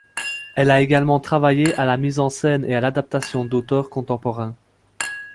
Elle a également travaillé à la mise en scène et à l'adaptation d'auteurs contemporains.